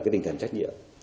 cái tinh thần trách nhiệm